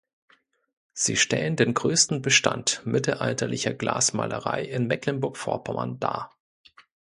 Sie stellen den größten Bestand mittelalterlicher Glasmalerei in Mecklenburg-Vorpommern dar.